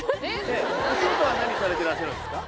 お仕事は何されてらっしゃるんですか？